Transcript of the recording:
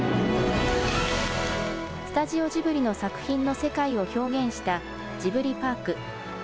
スタジオジブリの作品の世界を表現したジブリパーク。